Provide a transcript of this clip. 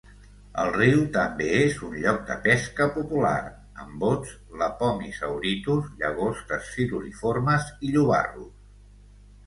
El riu també és un lloc de pesca popular, amb bots, lepomis auritus, llagostes, siluriformes i llobarros.